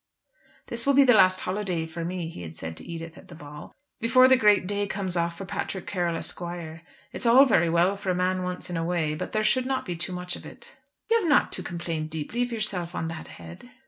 "This will be the last holiday for me," he had said to Edith at the ball, "before the great day comes off for Patrick Carroll, Esq. It's all very well for a man once in a way, but there should not be too much of it." "You have not to complain deeply of yourself on that head."